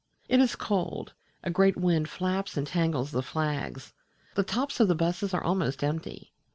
It is cold: a great wind flaps and tangles the flags; the tops of the buses are almost empty.